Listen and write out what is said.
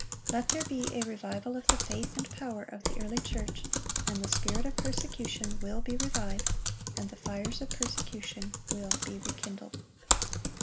Let there be a revival of the faith and power of the early church, and the spirit of persecution will be revived, and the fires of persecution will be rekindled.